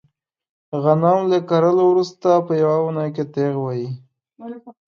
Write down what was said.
غنم له کرلو ورسته په یوه اونۍ کې تېغ وهي.